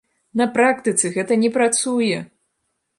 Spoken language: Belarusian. На практыцы гэта не працуе!!!